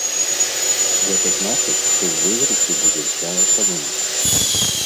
Гэта значыць, што ў выйгрышы будзе ўся эканоміка.